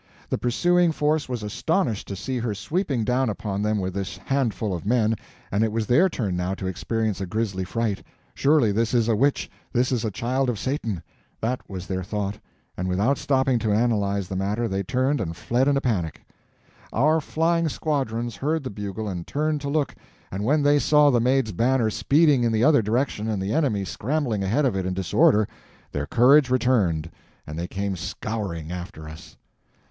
The pursuing force was astonished to see her sweeping down upon them with this handful of men, and it was their turn now to experience a grisly fright—surely this is a witch, this is a child of Satan! That was their thought—and without stopping to analyze the matter they turned and fled in a panic. Our flying squadrons heard the bugle and turned to look; and when they saw the Maid's banner speeding in the other direction and the enemy scrambling ahead of it in disorder, their courage returned and they came scouring after us.